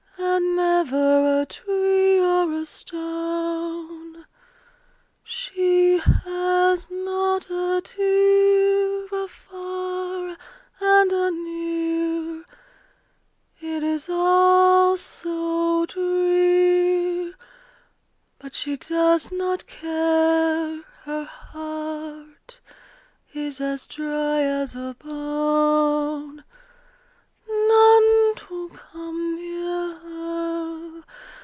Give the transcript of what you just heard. And never a tree or a stone! She has not a tear: Afar and anear It is all so drear, But she does not care, Her heart is as dry as a bone. None to come near her!